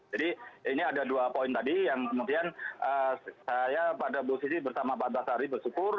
jadi ini ada dua poin tadi yang kemudian saya pada posisi bersama pak antasari bersyukur